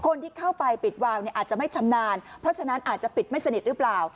คนที่เข้าไปปิดวาวเนี่ยอาจจะไม่ชำนาญเพราะฉะนั้นอาจจะปิดไม่สนิทหรือเปล่า